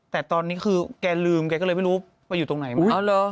แต่ตอนนี้คือแกลืมแกก็เลยไม่รู้ไปอยู่ตรงไหนบ้าง